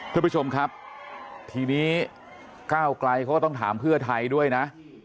ท่านผู้ชมครับทีนี้ก้าวไกลเขาก็ต้องถามเพื่อไทยด้วยนะ